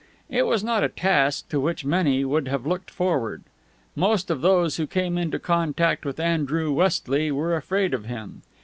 It was not a task to which many would have looked forward. Most of those who came into contact with Andrew Westley were afraid of him.